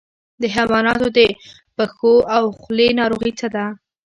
د حیواناتو د پښو او خولې ناروغي څه ده؟